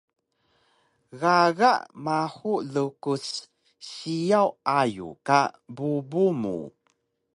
Gaga mahu lukus siyaw ayug ka bubu mu